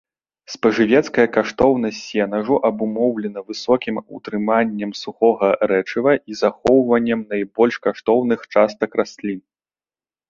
Спажывецкая каштоўнасць сенажу абумоўлена высокім утрыманнем сухога рэчыва і захоўваннем найбольш каштоўных частак раслін.